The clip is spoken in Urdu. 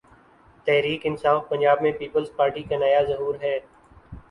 تحریک انصاف پنجاب میں پیپلز پارٹی کا نیا ظہور ہے۔